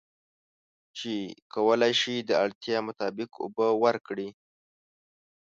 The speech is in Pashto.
چې کولی شي د اړتیا مطابق اوبه ورکړي.